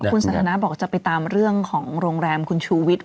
คุณสันทนาบอกจะไปตามเรื่องของโรงแรมคุณชูวิทย์